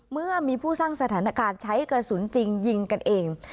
เมื่อมีผู้สร้างสถานการณ์ใช้กระสุนจริงยิงกันเอง